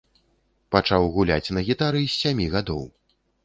Пачаў гуляць на гітары з сямі гадоў.